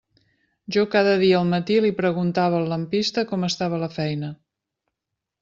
Jo cada dia al matí li preguntava al lampista com estava la feina.